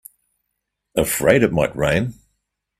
Afraid it might rain?